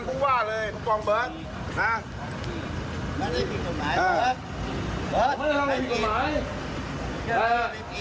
ปุ้งว่าเลยผู้ที่ล้างเบิร์ด